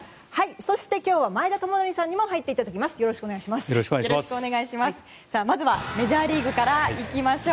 そして、今日は前田智徳さんにも入っていただきます。